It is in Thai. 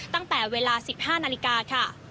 ตั้งแต่เวลา๑๕นาฬิกาค่ะ